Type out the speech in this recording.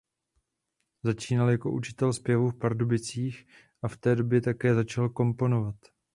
Začínal jako učitel zpěvu v Pardubicích a v té době také začal komponovat.